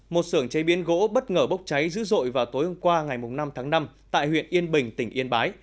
một sưởng chế biến gỗ bất ngờ bốc cháy dữ dội vào tối hôm qua ngày năm tháng năm tại huyện yên bình tỉnh yên bái